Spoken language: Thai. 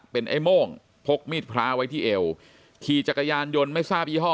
เป็นไอ้โม่งพกมีดพระไว้ที่เอวขี่จักรยานยนต์ไม่ทราบยี่ห้อ